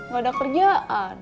gak ada kerjaan